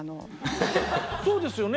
そうですよね